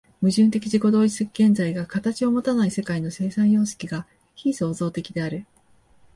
矛盾的自己同一的現在が形をもたない世界の生産様式が非創造的である。